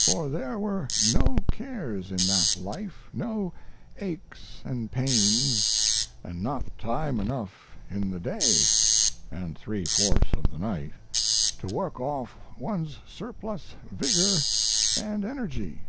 For there were no cares in that life, no aches & pains, & not time enough in the day (& three fourths of the night) to work off one's surplus vigor & energy.